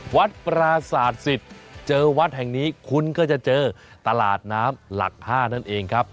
วัดปราศาสตร์สิทธิ์เจอวัดแห่งนี้คุณก็จะเจอตลาดน้ำหลัก๕นั่นเองครับ